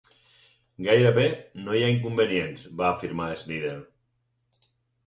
"Gairebé no hi ha inconvenients", va afirmar Snyder.